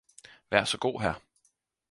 Vær så god, hr